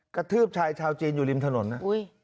กระทืบชายชาวจีนอยู่ริมถนนนะ